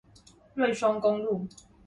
瑞雙公路